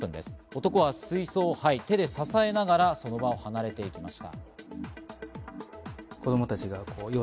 男は水槽を手で支えながら、その場を離れていきました。